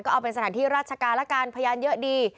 ก็เอาเป็นสถานที่ราชการละกันพยานเยอะดี